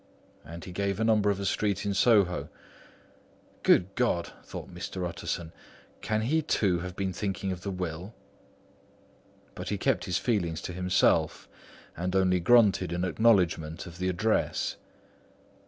And he gave a number of a street in Soho. "Good God!" thought Mr. Utterson, "can he, too, have been thinking of the will?" But he kept his feelings to himself and only grunted in acknowledgment of the address.